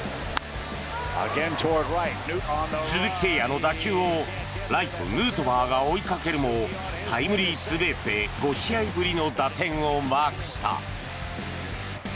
鈴木誠也の打球をライト、ヌートバーが追いかけるもタイムリーツーベースで５試合ぶりの打点をマークした。